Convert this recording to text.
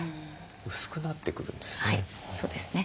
薄くなってくるんですね。